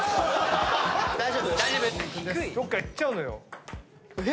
どっか行っちゃうのよ。